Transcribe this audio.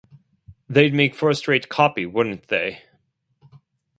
They'd make first-rate copy, wouldn't they?